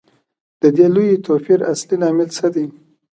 د دې لوی توپیر اصلي لامل څه دی